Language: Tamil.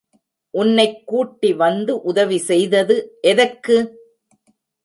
உன்னை கூட்டி வந்து உதவி செய்தது எதற்கு?